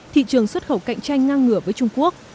thị trường xuất khẩu cạnh tranh ngang ngửa với trung quốc